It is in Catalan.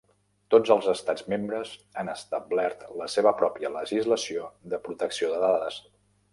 Tots els estats membres han establert la seva pròpia legislació de protecció de dades.